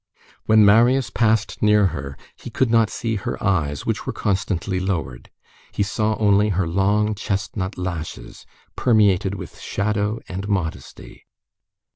When Marius passed near her, he could not see her eyes, which were constantly lowered. He saw only her long chestnut lashes, permeated with shadow and modesty.